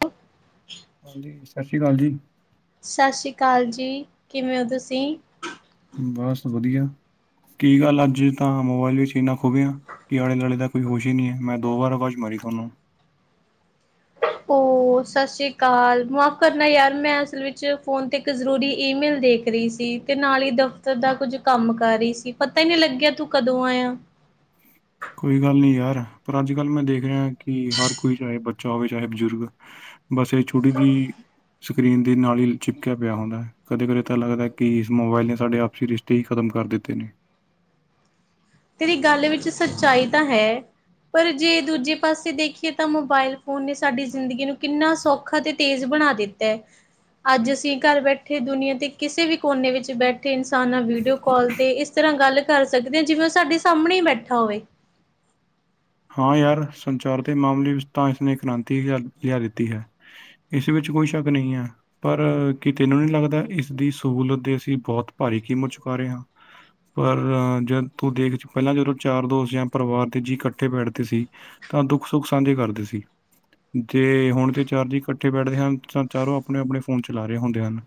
ਕੁ [unintelligible] ਹਾਂਜੀ। ਸਤਿ ਸ਼੍ਰੀ ਅਕਾਲ ਜੀ। ਸਤਿ ਸ਼੍ਰੀ ਅਕਾਲ ਜੀ। ਕਿਵੇਂ ਹੋ ਤੁਸੀਂ? ਬਸ ਵਧੀਆ, ਕੀ ਗੱਲ ਅੱਜ ਤਾਂ ਮੋਬਾਇਲ ਵਿੱਚ ਇੰਨਾ ਖੁਬੇਿਆ। ਕਿ ਆਲੇ- ਦੁਆਲੇ ਦਾ ਕੋਈ ਹੋਸ਼ ਹੀ ਨਹੀਂ ਹੈ। ਮੈਂ ਦੋ ਵਾਰ ਆਵਾਜ਼ ਮਾਰੀ ਤੁਹਾਨੂੰ। ਸਤਿ ਸ਼੍ਰੀ ਅਕਾਲ। ਮਾਫ਼ ਕਰਨਾ ਯਾਰ ਮੈਂ ਅਸਲ ਵਿੱਚ ਫ਼ੋਨ 'ਤੇ ਇੱਕ ਜ਼ਰੂਰੀ ਈਮੇਲ ਦੇਖ ਰਹੀ ਸੀ। ਤੇ ਨਾਲ ਹੀ ਦਫ਼ਤਰ ਦਾ ਕੁੱਝ ਕੰਮ ਕਰ ਰਹੀ ਸੀ। ਪਤਾ ਹੀ ਨਹੀਂ ਲੱਗਿਆ ਤੂੰ ਕਦੋਂ ਆਇਆ। ਕੋਈ ਗੱਲ ਨਹੀਂ ਯਾਰ, ਪਰ ਅੱਜ ਕੱਲ ਮੈਂ ਦੇਖ ਰਿਹਾ ਕਿ ਹਰ ਕੋਈ ਚਾਹੇ ਬੱਚਾ ਹੋਵੇ, ਚਾਹੇ ਬਜ਼ੁਰਗ ਬਸ ਇਹ ਛੁਟੀ ਦੀ ਸਕਰੀਨ ਦੇ ਨਾਲ ਹੀ ਚਿਪਕਿਆ ਪਿਆ ਹੁੰਦਾ ਹੈ। ਕਦੇ -ਕਦੇ ਤਾਂ ਲੱਗਦਾ ਕਿ ਇਸ ਮੋਬਾਇਲ ਨੇ ਸਾਡੇ ਆਪਸੀ ਰਿਸ਼ 'ਤੇ ਹੀ ਖਤਮ ਕਰ ਦਿੱਤੇ ਨੇ। ਤੇਰੀ ਗੱਲ ਵਿੱਚ ਸੱਚਾਈ ਤਾਂ ਹੈ। ਪਰ ਜੇ ਦੂਜੇ ਪਾਸੇ ਦੇਖੀਏ ਤਾਂ ਮੋਬਾਇਲ ਫੋਨ ਨੇ ਸਾਡੀ ਜ਼ਿੰਦਗੀ ਨੂੰ ਕਿੰਨਾ ਸੌਖਾ ਅਤੇ ਤੇਜ਼ ਬਣਾ ਦਿੱਤਾ। ਅੱਜ ਅਸੀਂ ਘਰ ਬੈਠੇ ਦੁਨੀਆਂ ਦੇ ਕਿਸੇ ਵੀ ਕੋਨੇ ਵਿੱਚ ਬੈਠੇ ਇ ਇਨਸਾਨ ਨਾਲ ਵੀਡੀਓ ਕਾਲ ਤੇ ਇਸ ਤਰ੍ਹਾਂ ਗੱਲ ਕਰ ਸਕਦੇ ਹਾ। ਜਿਵੇਂ ਉਹ ਸਾਡੇ ਸਾਹਮਣੇ ਬੈਠਾ ਹੋਵੇ। ਹਾਂ। ਯਾਰ, ਸੰਚਾਰ ਦੇ ਮਾਮਲੇ ਵਿੱਚ ਤਾਂ ਇਸਨੇ ਕ੍ਰਾਂਤੀ ਲਿਆ ਲਿਆ ਦਿੱਤੀ ਹੈ। ਇਸ ਵਿੱਚ ਕੋਈ ਸ਼ੱਕ ਨਹੀਂ ਹੈ। ਪਰ ਕਿਤੇ ਨੂੰ ਨਹੀਂ ਲੱਗਦਾ ਇਸ ਦੀ ਸਹੂਲਤ ਦੇ ਅਸੀਂ ਬਹੁਤ ਭਾਰੀ ਕੀਮਤ ਚੁਕਾ ਰਹੇ ਹਾਂ। ਪਰ ਜਦ ਤੂੰ ਦੇਖ ਪਹਿਲਾਂ ਜਦੋਂ ਚਾਰ ਦੋਸਤ ਜਾਂ ਪਰਿਵਾਰ ਦੇ ਜੀ ਕੱਠੇ ਇਕੱਠੇ ਬੈਠਦੇ ਸੀ। ਤਾਂ ਦੁੱਖ- ਸੁੱਖ ਸਾਂਝੇ ਕਰਦੇ ਸੀ਼। ਜ ਹੁਣ ਜਦ ਚਾਰ ਜੀ ਇਕੱਠੇ ਬੈਠਦੇ ਹਨ। ਤਾਂ ਚਾਰੋਂ ਆਪਣੇ- ਆਪਣੇ ਫੋਨ ਚਲਾ ਰਹੇ ਹੁੰਦੇ ਹਨ਼।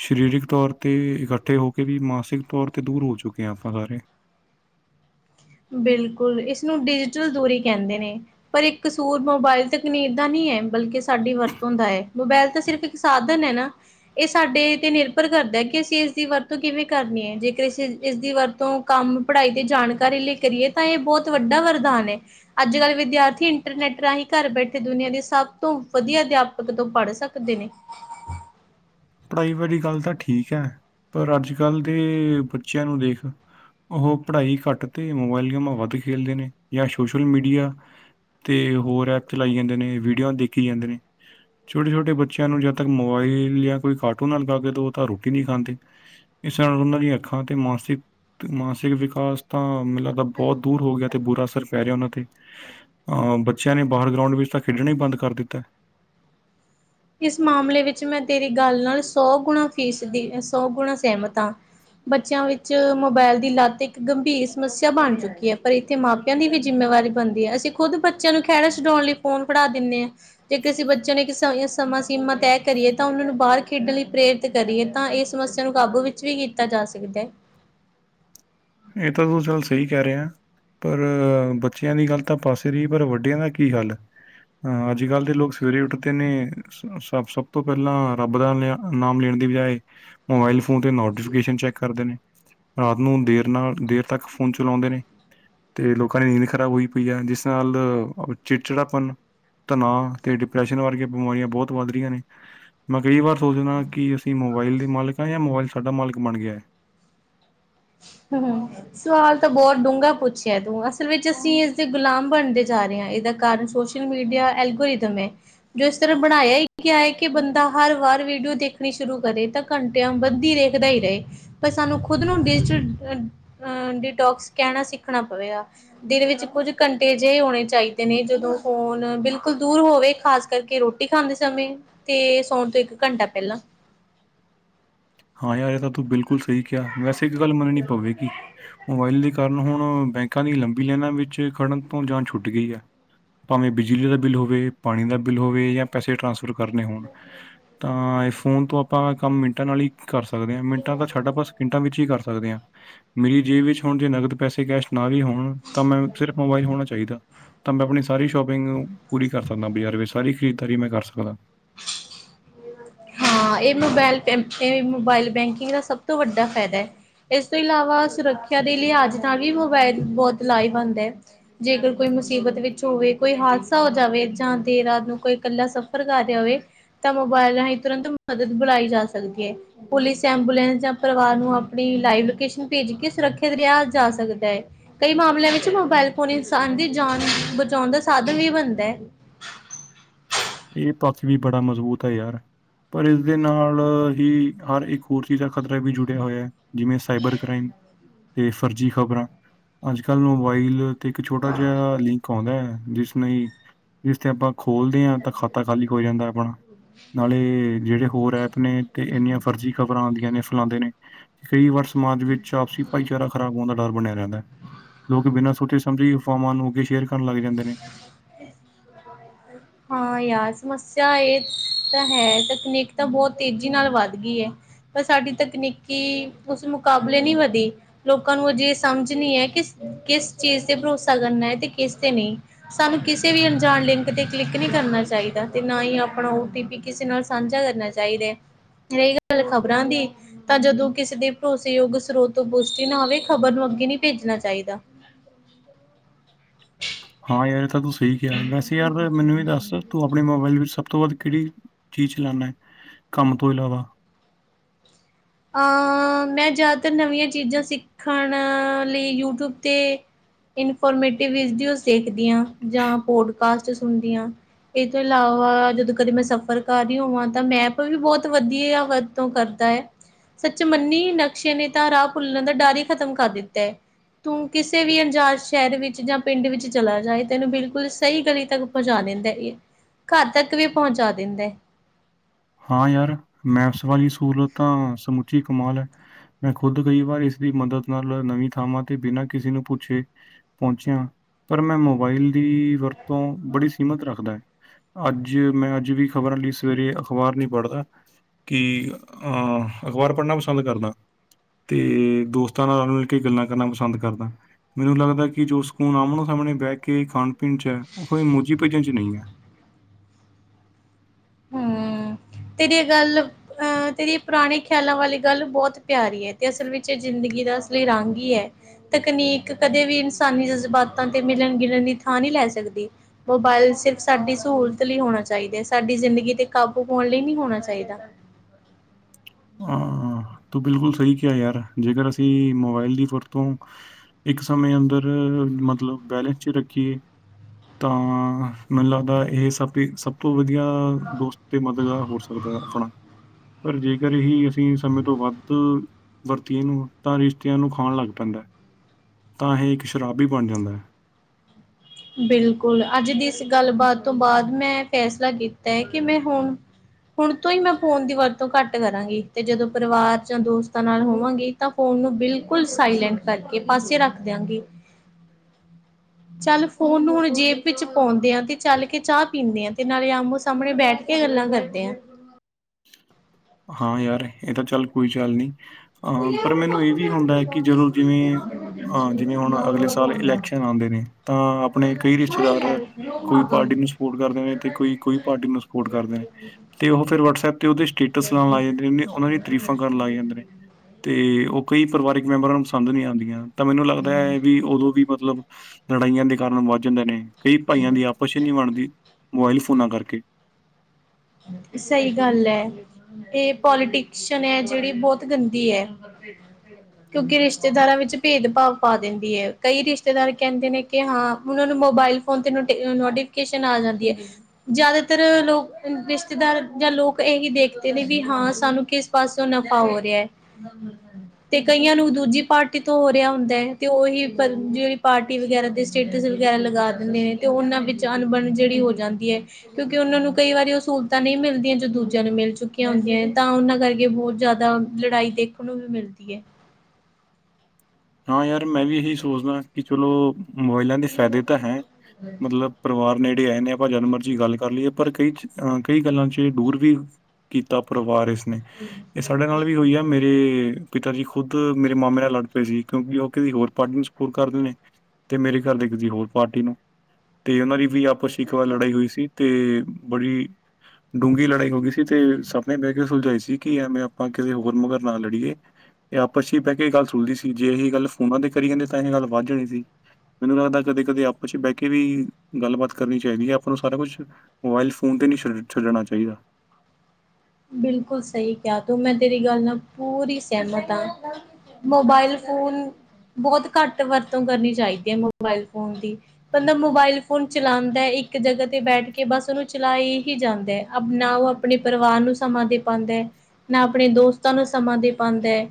ਸਰੀਰਕ ਤੌਰ 'ਤੇ ਇਕੱਠੇ ਹੋ ਕੇ ਵੀ ਮਾਨਸਿਕ ਤੌਰ 'ਤੇ ਦੂਰ ਹੋ ਚੁੱਕੇ ਹਾਂ। ਆਪਾਂ ਸਾਰੇ। ਬਿਲਕੁਲ। ਇਸਨੂੰ ਡਿਜੀਟਲ ਦੂਰੀ ਕਹਿੰਦੇ ਨੇ। ਪਰ ਇੱਕ ਕਸੂਰ ਮੋਬਾਇਲ ਤਕਨੀਰ ਦਾ ਨਹੀਂ ਹੈ। ਬਲਕਿ ਸਾਡੀ ਵਰਤੋਂ ਦਾ ਹੈ। ਮੋਬਾਇਲ ਤਾਂ ਸਿਰਫ ਸਾਧਨ ਹੈ ਨਾ ਇਹ ਸਾਡੇ 'ਤੇ ਨਿਰਭਰ ਕਰਦਾ ਕਿ ਅਸੀਂ ਇਸ ਦੀ ਵਰਤੋਂ ਕਿਵੇਂ ਕਰਨੀ ਹੈ। ਜੇਕਰ ਅਸੀਂ ਇਸ ਦੀ ਵਰਤੋਂ ਕੰਮ ਪੜ੍ਹਾਈ ਤੇ ਜਾਣਕਾਰੀ ਲਈ ਕਰੀਏ ਤਾਂ ਇਹ ਬਹੁਤ ਵੱਡਾ ਵਰਦਾਨ ਹੈ਼। ਅੱਜ ਕੱਲ੍ਹ ਵਿਦਿਆਰਥੀ ਇੰਟਰਨੈਟ ਰਾਹੀਂ ਘਰ ਬੈਠੇ, ਦੁਨੀਆਂ ਦੇ ਸਭ ਤੋਂ ਵਧੀਆ ਅਧਿਆਪਕ ਤੋਂ ਪੜ੍ਹ ਸਕ ਦੇ ਨੇ। ਪੜ੍ਹਾਈ ਵਾਲੀ ਗੱਲ ਤਾਂ ਠੀਕ ਹੈ। ਪਰ ਅੱਜ ਕੱਲ੍ਹ ਦੇ ਬੱਚਿਆਂ ਨੂੰ ਦੇਖ ਉਹ ਪੜ੍ਹਾਈ ਘੱਟ ਅਤੇ ਮੋਬਾਇਲ ਗੇਮਾਂ ਵੱਧ ਖੇਡਦੇ ਨੇ। ਜਾਂ ਸੋਸ਼ਲ ਮੀਡੀਆ ਅਤੇ ਹੋਰ ਐਪ ਚਲਾਈ ਜਾਂਦੇ ਨੇ, ਵੀਡੀਓ ਦੇਖੀ ਜਾਂਦੇ ਨੇ। ਛੋਟੇ -ਛੋਟੇ ਬੱਚਿਆਂ ਨੂੰ ਜੱਦ ਤੱਕ ਮੋਬਾਈਲ ਜਾਂ ਕੋਈ ਕਾਰਟੂਨ ਨਾ ਲੱਗਾ ਕੇ ਦੋਉ ਤਾਂ ਰੋਟੀ ਨਹੀਂ ਖਾਂਦੇ। ਇਸ ਨਾਲ ਉਹਨਾਂ ਦੀਆਂ ਅੱਖਾਂ ਤੇ ਮਾਨਸਿਕ ਮਾਨਸਿਕ ਵਿਕਾਸ ਤਾਂ ਮੈਨੂੰ ਲੱਗਦਾ ਬਹੁਤ ਦੂਰ ਹੋ ਗਿਆ ਤੇ ਬੁਰਾ ਅਸਰ ਪੈ ਰਿਹਾ ਉਹਨਾਂ ਤੇ। ਹਾਂ ਬੱਚਿਆਂ ਨੇ ਬਾਹਰ ਗਰਾਊਂਡ ਵਿੱਚ ਤਾਂ ਖੇਡਣਾ ਹੀ ਬੰਦ ਕਰ ਦਿੱਤਾ। ਇਸ ਮਾਮਲੇ ਵਿੱਚ ਮੈਂ ਤੇਰੀ ਗੱਲ ਨਾਲ ਸੌ ਗੁਣਾ ਫੀਸ ਦੀ, ਸੌ ਗੁਣਾ ਸਹਿਮਤ ਆ। ਬੱਚਿਆਂ ਵਿੱਚ ਮੋਬਾਇਲ ਦੀ ਲੱਤ ਇੱਕ ਗੰਭੀਰ ਸਮੱਸਿਆਂ ਬਣ ਚੁੱਕੀ ਹੈ ਪਰ ਇੱਕ ਤੇ ਮਾਪਿਆਂ ਦੀ ਵੀ ਜਿੰਮੇਵਾਰੀ ਬਣਦੀ ਹੈ ਅਸੀਂ ਖੁਦ ਬੱਚਿਆਂ ਨੂੰ ਖਹਿੜ ਛਡਾਉਣ ਲਈ ਫੋਨ ਫੜਾ ਦਿੰਨੇ ਹਾਂ। ਜੇ ਕਿਸੀ ਬੱਚੇ ਨੇ ਕਿਸ ਸਮਾਂ ਸੀਮਾ ਤੈਅ ਕਰੀਏ ਤਾਂ ਉਹਨਾਂ ਨੂੰ ਬਾਹਰ ਖੇਡਣ ਲਈ ਪ੍ਰੇਰਿਤ ਕਰੀਏ ਤਾਂ ਇਹ ਸਮੱਸਿਆਂ ਨੂੰ ਕਾਬੂ ਵਿੱਚ ਵੀ ਕੀਤਾ ਜਾ ਸਕਦਾ ਹੈ। ਇਹ ਤਾਂ ਤੂੰ ਚੱਲ ਸਹੀ ਕਹਿ ਰਿਹਾ ਆ। ਪਰ ਬੱਚਿਆਂ ਦੀ ਗੱਲ ਤਾਂ ਪਾਸੇ ਰਹੀ ਪਰ ਵੱਡਿਆਂ ਦਾ ਕੀ ਹਾਲ ਅੱਜ ਕੱਲ ਦੇ ਲੋਕ ਸਵੇਰੇ ਉੱਠਦੇ ਨੇ ਸਭ ਤੋਂ ਪਹਿਲਾਂ ਰੱਬ ਦਾ ਲਿਆ ਨਾਮ ਲੈਣ ਦੀ ਬਜਾਏ ਮੋਬਾਇਲ ਫੋਨ ਤੇ ਨੋਟੀਫਿਕੇਸ਼ਨ ਚੈੱਕ ਕਰਦੇ ਨੇ ਰਾਤ ਨੂੰ ਦੇਰ ਨਾਲ ਦੇਰ ਤੱਕ ਫ਼ੋਨ ਚਲਾਉਂਦੇ ਨੇ। ਤੇ ਲੋਕਾਂ ਦੀ ਨੀਂਦ ਖ਼ਰਾਬ ਹੋਈ ਪਈ ਆ ਜਿਸ ਨਾਲ ਚਿੜਚਿੜਾਪਨ। ਤਨਾਂਅ ਤੇ ਡਿਪਰੈਸ਼ਨ ਵਰਗੀਆਂ ਬਿਮਾਰੀਆਂ ਬਹੁਤ ਵੱਧ ਰਹੀਆਂ ਨੇ। ਮੈਂ ਕਈ ਵਾਰ ਸੋਚਦਾ ਕਿ ਅਸੀਂ ਮੋਬਾਇਲ ਦੇ ਮਾਲਕ ਆ ਜਾਂ ਮੋਬਾਇਲ ਸਾਡਾ ਮਾਲਕ ਬਣ ਗਿਆ। [unintelligible] ਸਵਾਲ ਤਾਂ ਬਹੁਤ ਡੂੰਘਾ ਪੁੱਛਿਆ ਤੂੰ ਅਸਲ ਵਿੱਚ ਅਸੀਂ ਇਸਦੇ ਗੁਲਾਮ ਬਣਦੇ ਜਾ ਰਹੇ ਆ ਇਹਦਾ ਕਾਰਨ ਸੋਸ਼ ਸੋਸ਼ਲ ਮੀਡੀਆ ਐਲਗੋ ਇਦਮ ਨੇ ਜੋ ਇਸ ਤਰ੍ਹਾਂ ਬਣਾਇਆ ਹੀ ਗਿਆ ਐ, ਕਿ ਬੰਦਾ ਹਰ ਵਾਰ ਵੀਡੀਓ ਦੇਖਣੀ ਸ਼ੁਰੂ ਕਰੇ ਤਾਂ ਘੰਟਿਆਂ ਵੱਦੀ ਦੇੇਖਦਾ ਹੀ ਰਹੇ ਪਰ ਸਾਨੂੰ ਖੁਦ ਨੂੰ ਡਿਜ਼ੀਟਲ ਡਿਟੋਕਸ ਕਹਿਣਾ ਸਿੱਖਣਾ ਪਵੇਗਾ। ਦਿਨ ਵਿੱਚ ਕੁੱਝ ਘੰਟੇ ਅਜਿਹੇ ਹੋਣੇ ਚਾਹੀਦੇ ਨੇ ਜਦੋਂ ਫੋਨ ਬਿਲਕੁਲ ਦੂਰ ਹੋਵੇ ਖਾਸ ਕਰਕੇ ਰੋਟੀ ਰੋਟੀ ਖਾਂਦੇ ਸਮੇਂ ਤੇ ਸੌਣ ਤੋਂ ਇੱਕ ਘੰਟਾ ਪਹਿਲਾਂ। ਹਾਂ ਯਾਰ ਇਹ ਤਾਂ ਤੂੰ ਬਿਲਕੁਲ ਸਹੀ ਕਿਹਾ ਵੈਸੇ ਵੀ ਗੱਲ ਮੰਨਣੀ ਪਵੇਗੀ ਮੋਬਾਇਲ ਦੇ ਕੱਲ ਹੁਣ ਬੈਂਕਾਂ ਦੀ ਲੰਬੀ ਲਾਈਨਾਂ ਵਿੱਚ ਖੜਨ ਤੋਂ ਜਾਨ ਛੁੱਟ ਗਈ ਹੈ। ਭਾਵੇਂ ਬਿਜਲੀ ਦਾ ਬਿੱਲ ਹੋਵੇ ਪਾਣੀ ਦਾ ਬਿੱਲ ਹੋਵੇਂ ਜਾਂ ਪੈਸੇ ਟਰਾਂਸਫਰ ਕਰਨੇ ਹੋਣ ਤਾਂ ਇਹ ਫੋਨ ਤੋਂ ਆਪਾਂ ਕੰਮ ਮਿੰਟਾਂ ਨਾਲ ਹੀ ਕਰ ਸਕਦੇ ਆ ਮਿੰਟਾਂ ਤਾਂ ਛੱਡ ਆਪਾਂ ਸਕਿੰਟਾਂ ਵਿੱਚ ਹੀ ਕਰ ਸਕਦੇ ਆ। ਮੇਰੀ ਜੇਬ ਵਿੱਚ ਹੁਣ ਜੇ ਨਕਦ ਪੈਸੇ ਕੈਸ਼ ਨਾ ਵੀ ਹੋਣ ਤਾਂ ਮੈਂ ਸਿਰਫ਼ ਮੋਬਾਈਲ ਹੋਣਾ ਚਾਹੀਦਾ। ਤਾਂ ਮੈਂ ਆਪਣੀ ਸਾਰੀ ਸ਼ੋਪਿੰਗ ਪੂਰੀ ਕਰ ਸਕਦਾ ਬਾਜ਼ਾਰ ਵਿੱਚ ਸਾਰੀ ਖਰੀਦ ਦਾਰੀ ਮੈਂ ਕਰ ਸਕਦਾ। ਹਾਂ ਇਹ ਮੋਬਾਇਲ ਇਹ ਮੋਬਾਇਲ ਬੈਂਕਿੰਗ ਦਾ ਸਭ ਤੋਂ ਵੱਡਾ ਫਾਇਦਾ ਹੈ। ਇਸ ਤੋਂ ਇਲਾਵਾ ਸੁਰੱਖਿਆ ਦੇ ਲਿਆਜ਼ ਨਾਲ ਵੀ ਮੋਬਾਇਲ ਬਹੁਤ ਲਾਈਫ ਹੁੰਦੇ। ਜੇਕਰ ਕੋਈ ਮੁਸੀਬਤ ਵਿੱਚ ਹੋਵੇ ਕੋਈ ਹਾਦਸਾ ਹੋ ਜਾਵੇ ਜਾਂ ਦੇਰ ਰਾਤ ਨੂੰ ਕੋਈ ਇਕੱਲਾ ਸਫ਼ਰ ਕਰ ਰਿਹਾ ਹੋਵੇ। ਮੋਬਈਲ ਰਾਹੀਂ ਤੁਰੰਤ ਮਦਦ ਬੁਲਾਈ ਜਾ ਸਕਦੀ ਹੈ। ਪੁਲਿਸ ਐਬੂਲੈਂਸ ਜਾਂ ਪਰਿਵਾਰ ਨੂੰ ਆਪਣੀ ਲਾਈਵ ਲੋਕੇਸ਼ਨ ਭੇਜ ਕੇ ਸੁਰੱਖਿਅਤ ਰਿਹਾ ਜਾ ਸਕਦਾ ਹੈ। ਕਈ ਮਾਮਲਿਆਂ ਵਿੱਚ ਮੋਬਾਇਲ ਫੋਨ ਇਨਸਾਨ ਦੀ ਜਾਨ ਬਚਾਉਣ ਦਾ ਸਾਧਨ ਵੀ ਬਣਦਾ ਹੈ। ਇਹ ਪੱਥ ਵੀ ਬੜਾ ਮਜ਼ਬੂਤ ਐ ਯਾਰ ਪਰ ਇਸਦੇ ਨਾਲ ਹੀ ਹਰ ਇੱਕ ਹੋਰ ਚੀਜ਼ਾਂ ਖ਼ਤਰਾ ਵੀ ਜੁੜਿਆ ਹੋਇਆ ਹੈ ਜਿਵੇਂ ਸਾਈਬਰ ਕ੍ਰਾਈਮ। ਤੇ ਫਰਜ਼ੀ ਖ਼ਬਰਾਂ ਅੱਜ ਕੱਲ ਮੋਬਾਈਲ ਤੇ ਇੱਕ ਛੋਟਾ ਜਿਹਾ ਲਿੰਕ ਆਉਂਦਾ ਹੈ ਜਿਸ ਲਈ ਜਿਸ ਤੇ ਆਪਾਂ ਖੋਲਦੇ ਆ। ਤਾਂ ਖਾਤਾ ਖਾਲੀ ਹੋ ਜਾਂਦਾ ਆਪਣਾ ਨਾਲੇ ਜਿਹੜੇ ਹੋਰ ਐਪ ਆਪਣੇ ਤੇ ਇੰਨੀਆਂ ਫਰਜੀ ਖ਼ਬਰਾਂ ਆਉਂਦੀਆਂ ਫਲਾਂਦੇ ਨੇ ਫੀਵਰ ਆਪਸੀ ਭਾਈਚਾਰਾ ਖ਼ਰਾਬ ਹੋਣ ਦਾ ਡਰ ਬਣਿਆ ਰਹਿੰਦਾ ਹੈ ਲੋਕ ਬਿਨਾਂ ਸੋਚੇ ਹਾਂਜੀ ਫਾਰਮਾਂ ਨੂੰ ਅੱਗੇ ਸ਼ੇਅਰ ਕਰਨ ਲੱਗ ਜਾਂਦੇ ਨੇ [inaudible] ਹਾਂ ਯਾਰ ਸਮੱਸਿਆ ਇਹ ਤਾਂ ਹੈ ਤਕਨੀਕ ਤਾਂ ਬਹੁਤ ਤੇਜ਼ੀ ਨਾਲ ਵੱਧ ਗਈ ਹੈ। ਪਰ ਸਾਡੀ ਤਕਨੀਕੀ ਉਸ ਮੁਕਾਬਲੇ ਨਹੀਂ ਵੱਧੀ ਲੋਕਾਂ ਨੂੰ ਅਜੇ ਸਮਝ ਣੀ ਹੈ ਕਿ ਕਿਸ ਚੀਜ਼ ਤੇ ਭਰੋਸਾ ਕਰਨਾ ਹੈ ਤੇ ਕਿਸ ਤੇ ਨਹੀਂ ਸਾਨੂੰ ਕਿਸੇ ਵੀ ਅਣਜਾਣ ਲਿੰਕ ਤੇ ਕਲਿੱਕ ਨਈਂ ਕਰਨਾ ਚਾਹੀਦਾ ਤੇ ਨਾਂ ਈ ਆਪਣਾ ਓ ਟੀ ਪੀ ਕਿਸੇ ਨਾਲ ਸਾਂਝਾ ਕਰਨਾ ਚਾ ਹੀਦਾ ਤੇ ਰਹੀ ਗੱਲ ਖ਼ਬਰਾਂ ਦੀ ਤਾਂ ਜਦੋਂ ਕਿਸੇ ਦੇ ਭਰੋਸੇਯੋਗ ਸਰੋਤ ਤੋਂ ਪੁਸ਼ਟੀ ਨਾਂ ਹੋਵੇ ਖ਼ਬਰ ਨੂੰ ਅੱਗੇ ਨਈਂ ਭੇਜਣਾ ਚਾਹੀਦਾ। ਹਾਂ ਯਾਰ ਏ ਤਾਂ ਤੂੰ ਸਹੀ ਕਿਹਾ ਵੈਸੇ ਯਾਰ ਮੈਨੂੰ ਵੀ ਦੱਸ ਤੂੰ ਆਪਣੇ ਮੋਬਾਇਲ ਵਿੱਚ ਸਭ ਤੋਂ ਵੱਧ ਕਿਹੜੀ, ਚੀਜ਼ ਚਲਾਉਣਾ ਏ ਕੰਮ ਤੋਂ ਇਲਾਵਾ ਅਹ ਮੈਂ ਜ਼ਿਆਦਾਤਰ ਨਵੀਆਂ ਚੀਜ਼ਾਂ ਸਿੱਖਣ ਲਈ ਯੂਟਿਊਬ ਤੇ ਇਨਫੋਰਮੇਟਿਵ ਵੀਡੀਓਸ ਵੇਖਦੀ ਆਂ ਜਾਂ ਪੋਡਕਾਸਟ ਸੁਣਦੀ ਆਂ। ਇਹ ਤੋਂ ਇਲਾਵਾ ਜਦੋਂ ਕਦੇ ਮੈਂ ਸਫ਼ਰ ਕਰ ਰਹੀ ਹੋਵਾਂ ਤਾਂ ਮੈਪ ਵੀ ਬਹੁਤ ਵਧੀਆ ਵਰਤੋਂ ਕਰਦਾ ਐ। ਸੱਚ ਮੰਨੀ ਨਕਸ਼ੇ ਨੇ ਤਾਂ ਰਾਹ ਭੁੱਲਣ ਦਾ ਡਰ ਈ ਖ਼ਤਮ ਕਰ ਦਿੱਤਾ ਐ ਤੂੰ ਕਿਸੇ ਵੀ ਅੰਜਾਣ ਸ਼ਹਿਰ ਵਿੱਚ ਜਾਂ ਪਿੰਡ ਵਿੱਚ ਚਲਾ ਜਾਏ ਤੈਨੂੰ ਬਿਲਕੁਲ ਸਹੀ ਗਲੀ ਤੱਕ ਪਹੁੰਚਾ ਦਿੰਦਾ ਏ, ਘਰ ਤੱਕ ਵੀ ਪਹੁੰਚਾ ਦਿੰਦਾ। ਹਾਂ ਯਾਰ, ਮੈ ਪ [unintelligible] ਵਾਲੀ ਸਹੂਲਤ ਤਾਂ ਸਮੁੱਚੀ ਕਮਾਲ ਐ। ਮੈਂ ਖੁਦ ਕਈ ਵਾਰ ਇਸ ਦੀ ਮਦਦ ਨਾਲ ਨਵੀਂ ਥਾਵਾਂ ਤੇ ਬਿਨਾਂ ਕਿਸੇ ਨੂੰ ਪੁੱਛੇ ਪਹੁੰਚਿਆਂ, ਪਰ ਮੈਂ ਮੋਬਾਈਲ ਦੀ ਵਰਤੋਂ ਬੜੀ ਸੀਮਿਤ ਰੱਖਦਾ ਐ। ਅੱਜ ਮੈਂ ਅੱਜ ਵੀ ਖ਼ਬਰਾ ਲਈ ਸਵੇਰੇ ਅਖਬਾਰ ਨਈਂ ਪੜ੍ਹਦਾ ਕਿ ਅਹ ਅਖਬਾਰ ਪੜ੍ਹਨਾ ਪਸੰਦ ਕਰਦਾ। ਤੇ ਦੋਸਤਾਂ ਨਾਲ ਰ ਮਿਲ ਕੇ ਗੱਲਾਂ ਕਰਨਾ ਪਸੰਦ ਕਰਦਾ ਮੈਨੂੰ ਲੱਗਦਾ ਕਿ ਜੋ ਸਕੂਨ ਆਮੋ-ਸਾਹਮਣੇ ਬਹਿ ਕੇ ਖਾਣ-ਪੀਣ ਚ ਏ, ਉਹ ਇਮੂਜੀ ਭੇਜਣ ਚ ਨਈਂ ਐ। ਹੂੰ, [unintelligible] ਤੇਰੀ ਗੱਲ ਤੇਰੀ ਪੁਰਾਣੇ ਖਿਆਲਾਂ ਵਾਲੀ ਗੱਲ ਬਹੁਤ ਪਿਆਰੀ ਐ ਤੇ ਅਸਲ ਵਿੱਚ ਇਹ ਜ਼ਿੰਦਗੀ ਦਾ ਅਸਲੀ ਰੰਗ ਈ ਐ। ਤਕਨੀਕ ਕਦੇ ਵੀ ਇਨਸਾਨੀਂ ਜਜ਼ਬਾਤਾਂ ਤੇ ਮਿਲਣ ਗਿਲਣ ਦੀ ਥਾਂ ਨਈਂ ਲੈ ਸਕਦੀ। ਮੋਬਾਇਲ ਸਿਰਫ ਸਾਡੀ ਸਹੂਲਤ ਲਈ ਹੋਣਾ ਚਾਹੀਦਾ ਐ ਸਾਡੀ ਜ਼ਿੰਦਗੀ ਇਦੇ ਕਾਬੂ ਪਾਉਣ ਲਈ ਨਈਂ ਹੋਣਾ ਚਾਹੀਦਾ। ਹਾਂ, ਤੂੰ ਬਿਲਕੁਲ ਸਹੀ ਕਿਹਾ ਯਾਰ ਜੇਕਰ ਅਸੀਂ ਮੋਬਾਇਲ ਦੀ ਵਰਤੋਂ ਇੱਕ ਸਮੇਂ ਅੰਦਰ ਮਤਲਬ ਬੈਲੇੈਕ ਚ ਰੱਖੀਏ। ਤਾਂ ਮੈਨੂੰ ਲੱਗਦਾ ਇਹ ਸਭ ਈ ਸਭ ਤੋਂ ਵਧੀਆ ਦੋਸਤ ਤੇ ਮਦਦਗਾਰ ਹੋ ਸਕਦਾ ਆਪਣਾ, ਪਰ ਜੇ ਅਗਰ ਇਹੀ ਅਸੀਂ ਸਮੇਂ ਤੋਂ ਵੱਧ ਵਰਤੀਏ ਏਨੂੰ ਤਾਂ ਰਿਸ਼ਤਿਆਂ ਨੂੰ ਖਾਣ ਲੱਗ ਪੈਂਦਾ। ਤਾਂ ਇਹ ਇੱਕ ਸ਼ਰਾਬੀ ਬਣ ਜਾਂਦਾ ਐ। ਬਿਲਕੁਲ ਅੱਜ ਦੀ ਇਸ ਗੱਲਬਾਤ ਤੋਂ ਬਾਅਦ ਮੈਂ ਫੈਸਲਾ ਕੀਤਾ ਐ ਕਿ ਮੈਂ ਹੁਣ ਹੁਣ ਤੋਂ ਹੀ ਮੈਂ ਫ਼ੋਨ ਦੀ ਵਰਤੋਂ ਘੱਟ ਕਰਾਂਗੀ ਤੇ ਜਦੋਂ ਪਰਿਵਾਰ ਜਾਂ ਦੋਸਤਾਂ ਨਾਲ ਹੋਵਾਂਗੀ। ਤਾਂ ਫੋਨ ਨੂੰ ਬਿਲਕੁਲ ਸਾਈਲੈਂਟ ਕਰਕੇ ਪਾਸੇ ਰੱਖ ਦਿਆਂਗੀ। ਚੱਲ ਫੋਨ ਨੂੰ ਹੁਣ ਜੇਬ ਵਿੱਚ ਪਾਉਂਦੇ ਆ ਤੇ ਚੱਲ ਕੇ ਚਾਹ ਪੀਂਦੇ ਆ ਤੇ ਨਾਲੇ ਆਮੋ-ਸਾਹਮਣੇ ਬੈਠ ਕੇ ਗੱਲਾਂ ਕਰਦੇ ਆਂ ਹਾਂ ਯਾਰ ਇਹ ਤਾਂ ਚੱਲ ਕੋਈ ਚੱਲ ਨਹੀਂ ਆਂ, ਪਰ ਮੈਨੂੰ ਇਹ ਵੀ ਹੁੰਦਾ ਏ ਕਿ ਜਦੋਂ ਜਿਵੇਂ ਅਹ ਜਿਵੇਂ ਹੁਣ ਅਗਲੇ ਸਾਲ ਇਲੈਕਸ਼ਨ ਆਂਦੇ ਨੇਂ ਤਾਂ ਆਪਣੇ ਕਈ ਰਿਸ਼ਤੇਦਾਰ ਕੋਈ ਪਾਰਟੀ ਨੂੰ ਸਪੋਰਟ ਕਰਦੇ ਨੇਂ ਤੇ ਕੋਈ, ਕੋਈ ਪਾਰਟੀ ਨੂੰ ਸਪੋਰਟ ਕਰਦੇ ਨੇਂ ਤੇ ਉਹ ਫਿਰ ਵਟਸਐਪ ਤੇ ਉਹਦੇ ਸਟੇਟਸ ਲਾਣ ਲੱਗ ਜਾਂਦੇ ਨੇਂ, ਉਹਨਾਂ ਦੀ ਤਾਰੀਫ਼ਾਂ ਕਰਨ ਲੱਗ ਜਾਂਦੇ ਨੇਂ। ਅਤੇ ਉਹ ਕਈ ਪਰਿਵਾਰਕ ਮੈਂਬਰਾਂ ਨੂੰ ਪਸੰਦ ਨਈਂ ਆਂਦੀਆਂ ਤਾਂ ਮੈਨੂੰ ਲੱਗਦਾ ਐ ਵੀ ਉਦੋਂ ਵੀ ਮਤਲਬ ਲੜਾਈਆਂ ਦੇ ਕਾਰਨ ਵੱਧ ਜਾਂਦੇ ਨੇਂ, ਕਈ ਭਾਈਆਂ ਦੀ ਆਪ ਕੁਛ ਨੀਂ ਬਣਦੀ ਮੋਬਾਇਲ ਫੋਨਾਂ ਕਰਕੇ। ਸਹੀ ਗੱਲ ਐ। ਇਹ ਪੋਲੀਟੀਸ਼ਨ ਏ ਜਿਹੜੀ ਬਹੁਤ ਗੰਦੀ ਐ। ਕਿਉਂਕਿ ਰਿਸ਼ਤੇਦਾਰਾਂ ਵਿੱਚ ਭੇਦ-ਭਾਵ ਪਾ ਦਿੰਦੀ ਐ, ਕਈ ਰਿਸ਼ਤੇਦਾਰ ਕਹਿੰਦੇ ਨੇਂ ਕਿ ਹਾਂ ਉਹਨਾਂ ਨੂੰ ਮੋਬਾਇਲ ਫੋਨ ਤੇ ਨੋਟੀਫਿਕੇਸ਼ਨ ਆ ਜਾਂਦੀ ਐ, ਜਿਆਦਾਤਰ ਲੋਕ ਰਿਸ਼ਤੇਦਾਰ ਜਾਂ ਲੋਕ ਇਹੀ ਦੇਖਦੇ ਨੇਂ ਵੀ ਹਾਂ, ਸਾਨੂੰ ਕਿਸ ਪਾਸਿਓ ਨਫ਼ਾ ਹੋ ਰਿਹਾ ਐ। [unintelligible] ਤੇ ਕਈਆਂ ਨੂੰ ਦੂਜੀ ਪਾਰਟੀ ਤੋਂ ਹੋ ਰਿਹਾ ਹੁੰਦਾ ਐ ਤੇ ਉਹੀ ਜਿਹੜੀ ਪਾਰਟੀ ਵਗੈਰਾ ਦੇ, [unintelligible] ਸਟੇਟਸ ਵਗੈਰਾ ਲਗਾ ਦਿੰਦੇ ਨੇਂ ਤੇ ਉਹਨਾਂ ਵਿੱਚ ਅਣਬਣ ਜਿਹੜੀ ਹੋ ਜਾਂਦੀ ਐ। ਕਿਉਂਕਿ ਉਹਨਾਂ ਨੂੰ ਕਈ ਵਾਰੀ ਸਹੂਲਤਾਂ ਨਹੀਂ ਮਿਲਦੀਆਂ ਜੋ ਦੂਜਿਆਂ ਨੂੰ ਮਿਲ ਚੁੱਕੀਆਂ ਹੁੰਦੀਆਂ ਹੈ। ਤਾਂ ਉਹਨਾਂ ਕਰਕੇ ਬਹੁਤ ਜ਼ਿਆਦਾ ਲੜਾਈ ਦੇ ਉਹ ਨੂੰ ਵੀ ਮਿਲਦੀ ਹੈ। ਹਾਂ ਯਾਰ ਮੈਂ ਵੀ ਇਹੀ ਸੋਚਦਾ ਕਿ, ਚਲੋ ਮੋਬਾਇਲਾਂ ਦੇ ਫਾਇਦੇ ਤਾਂ ਹੈ। ਮਤਲਬ ਪਰਿਵਾਰ ਨੇੜੇ ਆਏ ਨੇ, ਆਪਾਂ ਜਦ ਮਰਜ਼ੀ ਗੱਲ ਕਰ ਲਈਏ। ਪਰ ਕਈ ਗੱਲਾਂ ਚ ਦੂਰ ਵੀ ਕੀਤਾ ਪਰਿਵਾਰ ਇਸਨੇ। ਇਹ ਸਾਡੇ ਨਾਲ ਵੀ ਹੋਈ ਆ। ਮੇਰੇ ਪਿਤਾ ਜੀ ਖੁੱਦ ਮੇਰੇ ਮਾਮੇ ਨਾਲ ਲੜ ਸੀ ਕਿਉਂਕਿ, ਉਹ ਕਿਸੇ ਹੋਰ ਪਾਰਟੀ ਨੂੰ ਸਪੋਰਟ ਕਰਦੇ ਨੇ। ਤੇ ਮੇਰੇ ਘਰ ਦੇ ਕਿਸੇ ਹੋਰ ਪਾਰਟੀ ਨੂੰ। ਤੇ ਉਹਨਾਂ ਦੀ ਵੀ ਆਪਸ ਇੱਕ ਵਾਰ ਲੜਾਈ ਹੋਈ ਸੀ। ਤੇ ਬੜੀ ਡੂੰਘੀ ਲੜਾਈ ਹੋ ਗਈ ਸੀ। ਤੇ ਸਭ ਨੇ ਬਹਿ ਕੇ ਸੁਲਝਾਈ ਸੀ। ਕੀ ਐਵੇਂ ਆਪਾਂ ਕਿਸੇ ਹੋਰ ਮਗਰ ਨਾ ਲੜੀਏ। ਇਹ ਆਪਸ ਹੀ ਬਹਿ ਕੇ ਗੱਲ ਸੁਲਦੀ ਸੀ। ਜੇ ਇਹ ਗੱਲ ਫੋਨਾਂ ਤੇ ਕਰੀ ਜਾਂਦੇ, ਤਾਂ ਇਹ ਗੱਲ ਵੱਜ ਜਾਣੀ ਸੀ। ਮੈਨੂੰ ਲੱਗਦਾ ਕਦੇ- ਕਦੇ ਆਪਸ ਚ ਬਹਿ ਕੇ ਵੀ, ਗੱਲਬਾਤ ਕਰਨੀ ਚਾਹੀਦੀ ਹੈ। ਆਪਾਂ ਨੂੰ ਸਾਰਾ ਕੁਛ ਮੋਬਾਇਲ ਫੋਨ ਤੇ ਨਹੀਂ ਛੱਡ ਛੱਡਣਾ ਚਾਹੀਦਾ। ਬਿਲਕੁਲ ਸਹੀ ਕਿਹਾ ਤੂੰ। ਮੈਂ ਤੇਰੀ ਗੱਲ ਨਾਲ ਪੂਰੀ ਸਹਿਮਤ ਹਾਂ। ਮੋਬਾਇਲ ਫੋਨ, ਬਹੁਤ ਘੱਟ ਵਰਤੋਂ ਕਰਨੀ ਚਾਹੀਦੀ ਹੈ। ਮੋਬਾਇਲ ਫੋਨ ਦੀ। ਬੰਦਾ ਮੋਬਾਇਲ ਫੋਨ ਚਲਾਉਦਾ ਇੱਕ ਜਗਾ ਤੇ ਬੈਠ ਕੇ, ਬਸ ਉਹਨੂੰ ਚਲਾਏ ਹੀ ਜਾਂਦਾ। ਅਪਨਾ ਨਾ ਉਹ ਆਪਣੇ ਪਰਿਵਾਰ ਨੂੰ ਸਮਾਂ ਦੇ ਪਾਉਂਦਾ ਹੈ। ਨਾ ਆਪਣੇ ਦੋਸਤਾਂ ਨੂੰ ਸਮਾਂ ਦੇ ਪਾਉਂਦਾ ਹੈ।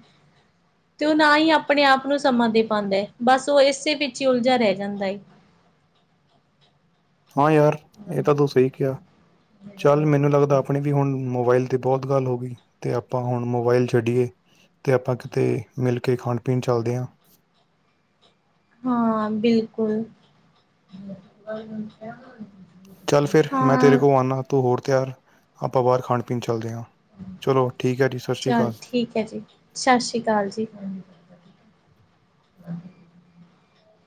ਤੇ ਉਹ ਨਾ ਹੀ ਆਪਣੇ ਆਪ ਨੂੰ ਸਮਾਂ ਦੇ ਪਾਉਂਦਾ ਹੈ। ਬਸ ਉਹ ਇਸੇ ਵਿੱਚ ਹੀ ਉਲਝਾ ਰਹਿ ਜਾਂਦਾ ਏ। ਹਾਂ ਯਾਰ, ਇਹ ਤਾਂ ਤੂੰ ਸਹੀ ਕਿਹਾ। ਚੱਲ ਮੈਨੂੰ ਲੱਗਦਾ ਆਪਣੀ ਵੀ ਹੁਣ ਮੋਬਾਇਲ ਤੇ ਬਹੁਤ ਗੱਲ ਹੋ ਗਈ। ਤੇ ਆਪਾਂ ਹੁਣ ਮੋਬਾਇਲ ਛੱਡੀਏ। ਤੇ ਆਪਾਂ ਕਿਤੇ ਮਿਲ ਕੇ, ਖਾਣ ਪੀਣ ਚੱਲਦੇ ਹਾਂ। ਹਾਂ ਬਿਲਕੁਲ [inaudible] ਚੱਲ ਫੇਰ ਮੈਂ ਤੇਰੇ ਹਾਂ ਕੋਲ ਆਨਾ। ਤੂੰ ਹੋ ਤਿਆਰ ਆਪਾਂ ਬਾਹਰ ਖਾਣ- ਪੀਣ ਚੱਲਦੇ ਹਾਂ। ਚਲੋ ਠੀਕ ਹੈ ਜੀ, ਸਤਿ ਸ੍ਰੀ ਚੱਲ ਅਕਾਲ। ਠੀਕ ਹੈ ਜੀ। ਸਤਿ ਸ੍ਰੀ ਅਕਾਲ ਜੀ। ਹੂੰ। ਹਾਂ [unintelligible]